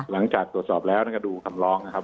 หลังจากตรวจสอบแล้วก็ดูคำร้องนะครับ